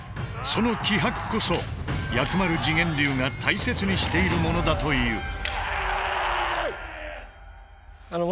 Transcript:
その気迫こそ薬丸自顕流が大切にしているものだという。